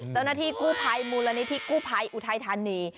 เจ้าหน้าที่กู้ภัยมูลนิธิกู้ภัยอุทัยธานี